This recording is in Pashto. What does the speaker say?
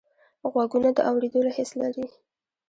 غوږونه د اوریدلو حس لري